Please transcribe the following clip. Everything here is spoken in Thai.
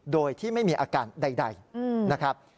โดยที่ไม่มีอาการใดนะครับ